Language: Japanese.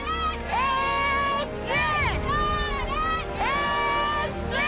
１２。